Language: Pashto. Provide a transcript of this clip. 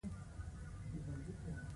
د انکریپشن تخنیکونه معلومات خوندي ساتي.